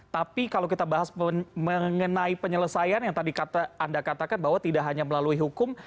tapi kalau kita bahas mengenai penyelesaian yang tadi anda katakan bahwa tidak hanya melalui hukum